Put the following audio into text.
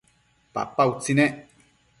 papa utsi nec